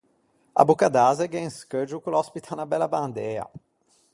À Boccadase gh'é un scheuggio ch'o l'òspita unna bella bandea.